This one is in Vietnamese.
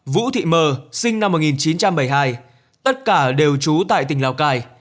vũ thị mờ sinh năm một nghìn chín trăm bảy mươi hai tất cả đều trú tại tỉnh lào cai